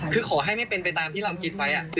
คือขอให้ไม่เป็นไปตามที่เราคิดไว้